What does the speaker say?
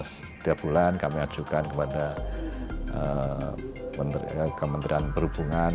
setiap bulan kami ajukan kepada kementerian perhubungan